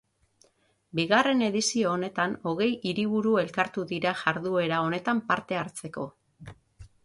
Bigarren edizio honetan hogei hiriburu elkartu dira jarduera honetan parte hartzeko.